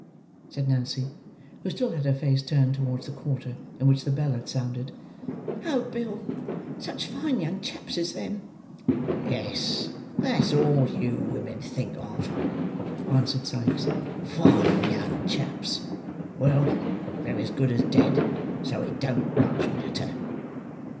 said Nancy, who still had her face turned towards the quarter in which the bell had sounded. "Oh, Bill, such fine young chaps as them!" "Yes; that's all you women think of," answered Sikes. "Fine young chaps! Well, they're as good as dead, so it don't much matter."